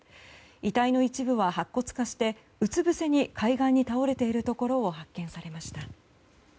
遺体の一部は白骨化してうつぶせに海岸に倒れているところを発見されました。